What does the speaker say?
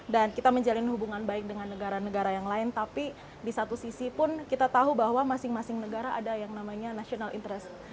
dan kita menjalin hubungan baik dengan negara negara yang lain tapi di satu sisi pun kita tahu bahwa masing masing negara ada yang namanya national interest